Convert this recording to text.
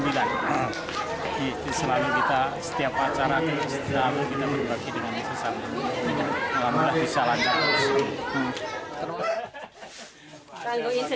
di selama kita setiap acara setiap jam kita berbagi dengan muslim